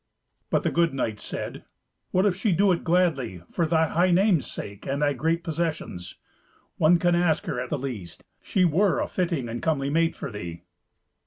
But the good knights said, "What if she do it gladly, for thy high name's sake, and thy great possessions? One can ask her at the least; she were a fitting and comely mate for thee."